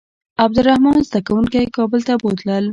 عبدالرحمن زده کوونکي کابل ته بوتلل.